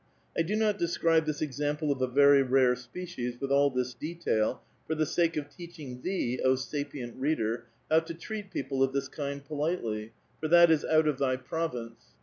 I do not describe this example of a very rare specios, with all this detail, for the sake of teach ing thee, O sapient reader, how to treat people of this kind politely, for that is out of thy province.